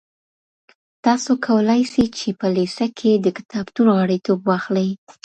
تاسو کولای سئ چي په لېسه کي د کتابتون غړیتوب واخلئ.